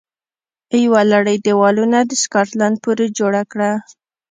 یوه لړۍ دېوالونه د سکاټلند پورې جوړه کړه